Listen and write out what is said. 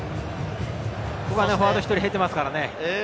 フォワード１人減ってますからね。